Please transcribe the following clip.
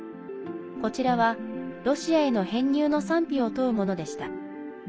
こちらはロシアへの編入の賛否を問うものでした。